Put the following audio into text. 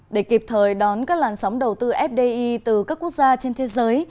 để kịp thời đón các làn sóng đầu tư fdi từ các quốc gia trên thế giới